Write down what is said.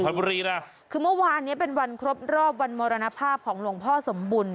บุรีนะคือเมื่อวานเนี้ยเป็นวันครบรอบวันมรณภาพของหลวงพ่อสมบุญ